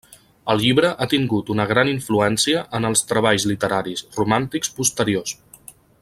El llibre ha tingut una gran influència en els treballs literaris romàntics posteriors.